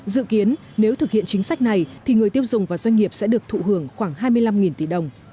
dự kiến nếu thực hiện chính sách này thì người tiêu dùng và doanh nghiệp sẽ được thụ hưởng khoảng hai mươi năm tỷ đồng